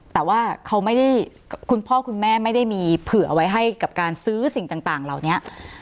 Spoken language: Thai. แต่ว่าเขาไม่ได้คุณพ่อคุณแม่ไม่ได้มีเผื่อเอาไว้ให้กับการซื้อสิ่งต่างเหล่านี้